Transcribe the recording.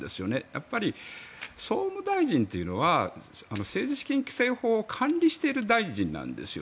やっぱり総務大臣というのは政治資金規正法を管理している大臣なんですよ。